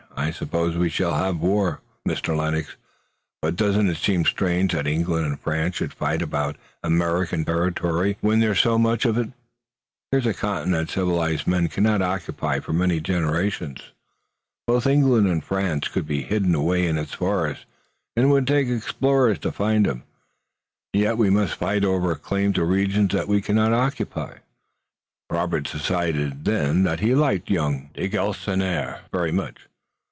I suppose we shall have war, Mr. Lennox, but doesn't it seem strange that England and France should fight about American territory, when there's so much of it? Here's a continent that civilized man cannot occupy for many generations. Both England and France could be hidden away in its forests, and it would take explorers to find them, and yet we must fight over a claim to regions that we cannot occupy." Robert decided then that he liked young de Galisonnière very much.